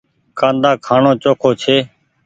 ڪآندآ کآڻو چوکو ڇي ۔